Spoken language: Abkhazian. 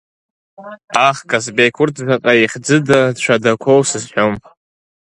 Аах, Казбек, урҭ заҟа ихьӡыда-цәадақәоу сызҳәом.